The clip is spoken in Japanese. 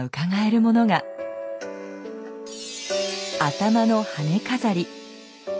頭の羽飾り。